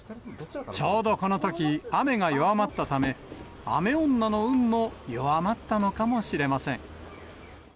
ちょうどこのとき、雨が弱まったため、雨女の運も弱まったのかもしれません。